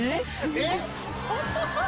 えっ？